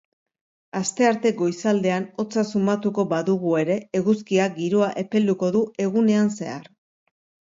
Astearte goizaldean hotza sumatuko badugu ere, eguzkiak giroa epelduko du egunean zehar.